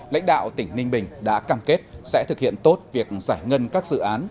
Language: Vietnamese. lãnh đạo tỉnh ninh bình đã cam kết sẽ thực hiện tốt việc giải ngân các dự án